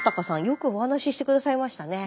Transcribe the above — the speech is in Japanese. よくお話しして下さいましたね。